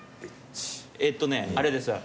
えっとねあれです。